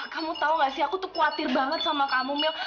kamu tau gak sih aku tuh khawatir banget sama kamu mil